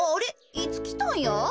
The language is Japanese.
いつきたんや？